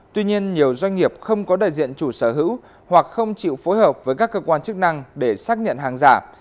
tuy nhiên nhiều doanh nghiệp không có đại diện chủ sở hữu hoặc không chịu phối hợp với các cơ quan chức năng để xác nhận hàng giả